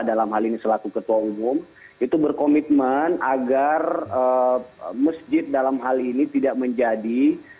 dalam hal ini selaku ketua umum itu berkomitmen agar masjid dalam hal ini tidak menjadi